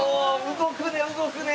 動くね動くね！